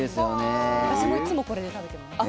私もいつもこれで食べてます。